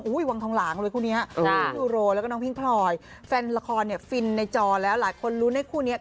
อุ้ยวังทองหลางเลยคู่นี้